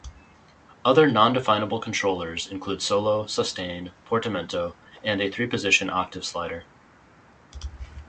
Other non-definable controllers include Solo, Sustain, Portamento and a three position octave slider.